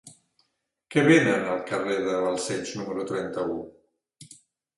Què venen al carrer de Balcells número trenta-u?